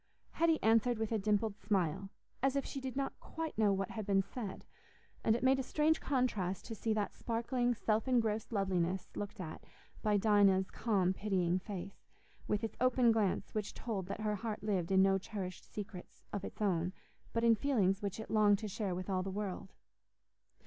Hetty answered with a dimpled smile, as if she did not quite know what had been said; and it made a strange contrast to see that sparkling self engrossed loveliness looked at by Dinah's calm pitying face, with its open glance which told that her heart lived in no cherished secrets of its own, but in feelings which it longed to share with all the world.